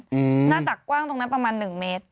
หน้าตักกว้างตรงนั้นประมาณหนึ่งเมตร